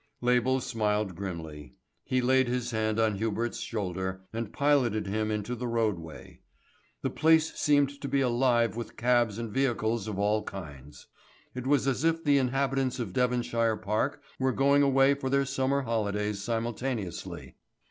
Label smiled grimly. He laid his hand on Hubert's shoulder, and piloted him into the roadway. The place seemed to be alive with cabs and vehicles of all kinds. It was as if all the inhabitants of Devonshire Park were going away for their summer holidays simultaneously.